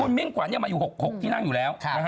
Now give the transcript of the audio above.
คุณมิ่งขวัญมาอยู่๖ที่นั่งอยู่แล้ว